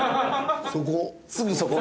そこ。